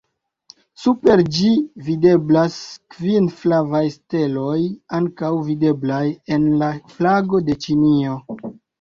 Super ĝi videblas kvin flavaj steloj ankaŭ videblaj en la flago de Ĉinio.